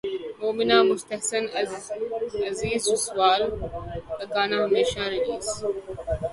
مومنہ مستحسن عزیر جسوال کا گانا ہمیشہ ریلیز